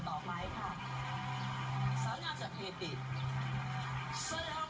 ข้อมูลเข้ามาดูครับ